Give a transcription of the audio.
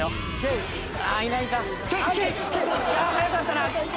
早かったな。